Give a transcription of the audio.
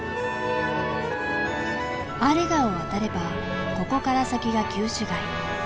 アーレ川を渡ればここから先が旧市街。